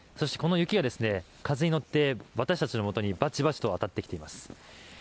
この雪が風に乗って私たちのもとにバチバチと当たってきています。